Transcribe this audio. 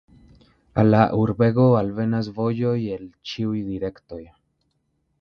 Al la urbego alvenas vojoj el ĉiuj direktoj.